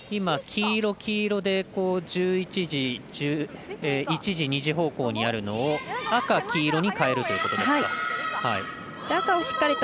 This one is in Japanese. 黄色、黄色で１１時、１時、２時方向にあるのを赤、黄色にかえるということですか。